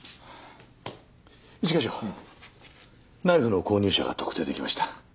ナイフの購入者が特定できました。